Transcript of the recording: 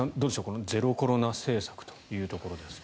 このゼロコロナ政策というところです。